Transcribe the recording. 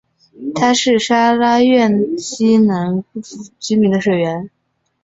它是沙拉越西南部居民的水源。